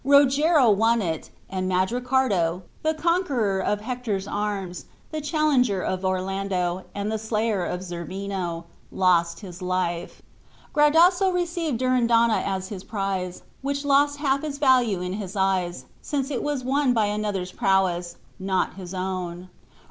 Rogero won it; and Mandricardo, the conqueror of Hector's arms, the challenger of Orlando, and the slayer of Zerbino, lost his life. Gradasso received Durindana as his prize, which lost half its value in his eyes, since it was won by another's prowess, not his own.